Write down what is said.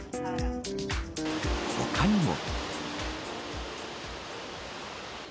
他にも。